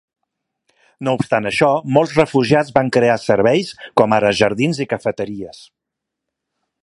No obstant això, molts refugiats van crear serveis com ara jardins i cafeteries.